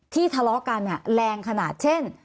ทะเลาะกันแรงขนาดเช่น